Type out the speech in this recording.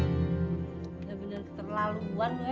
udah beneran keterlaluan lo ya